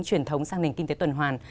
truyền thống sang nền kinh tế tuần hoàn